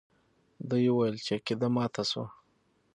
دوی وویل چې عقیده ماته سوه.